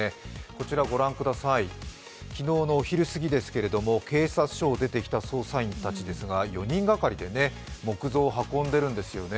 こちらご覧ください、昨日のお昼過ぎですけれども、警察署を出てきた捜査員たちですが４人がかりで木像を運んでいるんですよね。